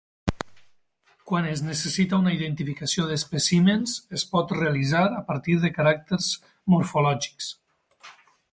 Quan es necessita una identificació d'espècimens, es pot realitzar a partir de caràcters morfològics.